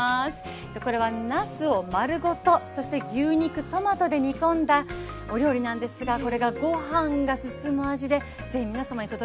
これはなすを丸ごとそして牛肉トマトで煮込んだお料理なんですがこれがご飯が進む味で是非皆さまに届けたい。